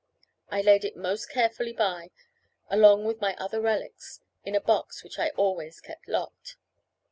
I laid it most carefully by, along with my other relics, in a box which I always kept locked.